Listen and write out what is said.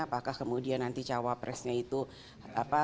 apakah kemudian nanti cawapresnya itu harus bisa bekerja sama dengan capresnya